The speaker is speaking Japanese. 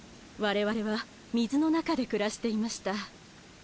われわれは水の中で暮らしていました